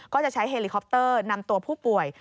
ก็จะใช้เฮลิคอปเตอร์นำตัวผู้ป่วย